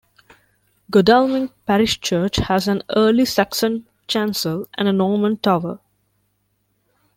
Godalming Parish Church has an early Saxon chancel and a Norman tower.